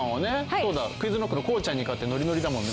そうだＱｕｉｚＫｎｏｃｋのこうちゃんに勝ってノリノリだもんね。